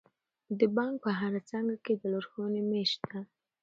د بانک په هره څانګه کې د لارښوونې میز شته.